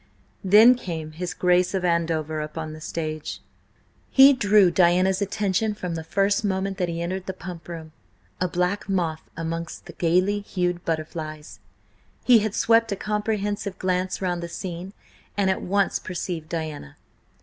Then came his Grace of Andover upon the stage. He drew Diana's attention from the first moment that he entered the Pump Room–a black moth amongst the gaily hued butterflies. He had swept a comprehensive glance round the scene and at once perceived Diana.